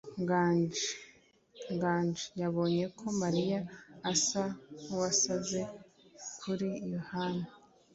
[Nganji] Nganji yabonye ko Mariya asa nkuwasaze kuri Yohana.